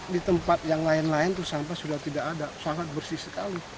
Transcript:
di tempat yang lain lain itu sampah sudah tidak ada sangat bersih sekali